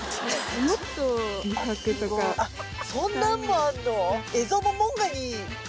そんなんもあるの？